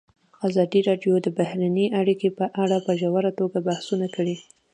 ازادي راډیو د بهرنۍ اړیکې په اړه په ژوره توګه بحثونه کړي.